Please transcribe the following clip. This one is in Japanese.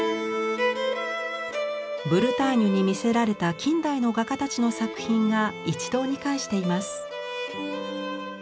ブルターニュに魅せられた近代の画家たちの作品が一堂に会しています。